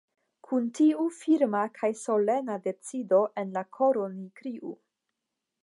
Kun tiu firma kaj solena decido en la koro ni kriu.